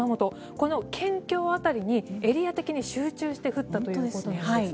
この県境辺りにエリア的に集中して降ったということなんです。